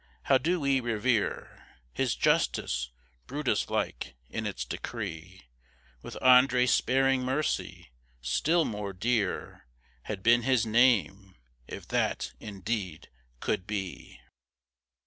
how do we revere His justice, Brutus like in its decree, With André sparing mercy, still more dear Had been his name, if that, indeed, could be!